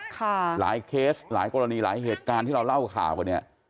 หลายเคสหลายกรณีหลายเหตุการณ์ที่เราเล่าข่าวกันเนี่ย